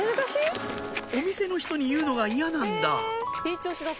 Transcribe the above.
お店の人に言うのが嫌なんだ